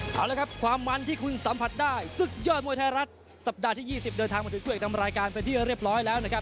สุดยอดมวลไทยรัฐสัปดาห์ที่๒๐เดินทางมาถึงเครื่องดำรายการเป็นที่เรียบร้อยแล้วนะครับ